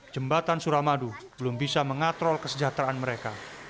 jembatan suramadu belum bisa mengatrol kesejahteraan mereka